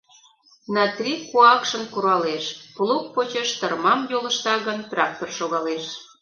«На три» куакшын куралеш, плуг почеш тырмам йолышта гын, трактор шогалеш.